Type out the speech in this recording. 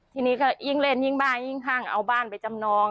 ทีนี้ก็ยิ่งเล่นยิ่งบ้ายิ่งห้างเอาบ้านไปจำนอง